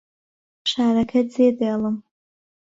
شارەکە جێدێڵم.